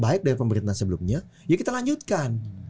baik dari pemerintahan sebelumnya ya kita lanjutkan